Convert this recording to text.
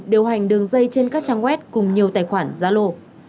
điều hành đường dây trên các trang web cùng nhiều tài khoản gia lô